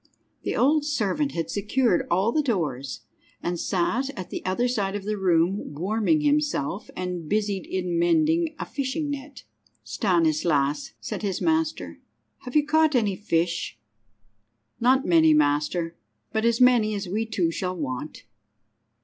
The old servant had secured all the doors, and sat at the other side of the room warming himself, and busied in mending a fishing net. "Stanislas," said his master, "have you caught any fish?" "Not many, master, but as many as we two shall want."